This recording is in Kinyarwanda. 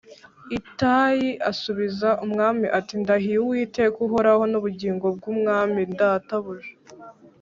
Itayi asubiza umwami ati “Ndahiye Uwiteka uhoraho n’ubugingo bw’umwami databuja